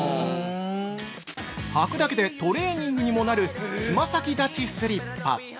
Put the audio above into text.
◆履くだけでトレーニングにもなる「つま先立ちスリッパ」